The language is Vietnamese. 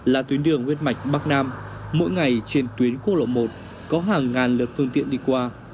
là tuyến đường huyết mạch bắc nam mỗi ngày trên tuyến quốc lộ một có hàng ngàn lượt phương tiện đi qua